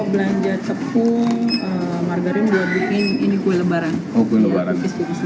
belanja cepung margarin buat bikin kue lebaran